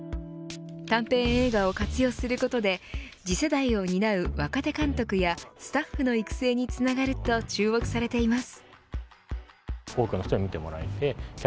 短編映画を活用することで次世代を担う若手監督やスタッフの育成につながると注目されています。